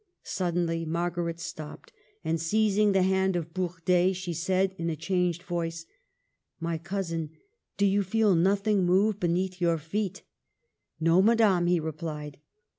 Suddenly Mar garet stopped, and seizing the hand of Bour deille, she said, in a changed voice, " My cousin, do you feel nothing move beneath your feet ?" No, Madame," he replied.